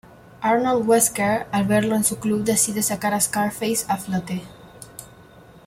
Arnold Wesker al verlo en el club decide sacar a Scarface a flote.